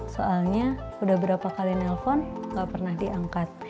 soalnya sudah berapa kali nelpon gak pernah diangkat